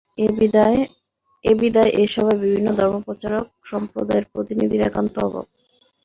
এ বিধায়, এ সভায় বিভিন্ন ধর্মপ্রচারক-সম্প্রদায়ের প্রতিনিধির একান্ত অভাব।